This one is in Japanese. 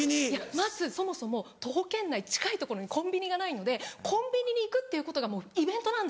まずそもそも徒歩圏内近い所にコンビニがないのでコンビニに行くっていうことがもうイベントなんですよ。